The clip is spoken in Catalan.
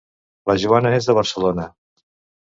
La Joana és de Barcelona.